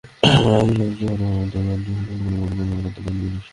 বাকি পাঁচটি ঘটনার মধ্যে চারটির এখন পর্যন্ত কোনো কূলকিনারা করতে পারেনি পুলিশ।